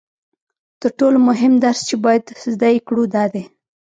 تر ټولو مهم درس چې باید زده یې کړو دا دی